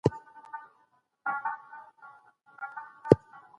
د کندهار په شفاهي ادبیاتو کي کومي کیسې سته؟